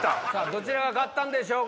どちらが勝ったんでしょうか？